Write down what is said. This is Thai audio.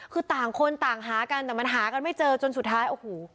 คือต่างคนต่างหากันแต่มันหากันไม่เจอจนสุดท้ายโอ้โห